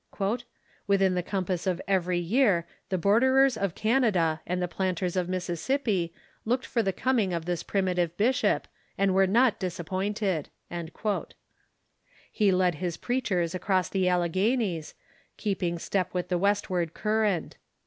" Within the compass of every year the borderers of Canada and the planters of Mississippi looked for the coming of this primitive bishop, and were not disappointed." He led his preachers across the AUeghenies, keeping step with the westward current.